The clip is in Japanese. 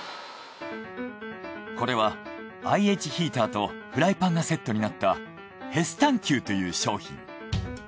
これはＩＨヒーターとフライパンがセットになったヘスタンキューという商品。